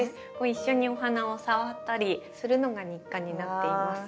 一緒にお花を触ったりするのが日課になっています。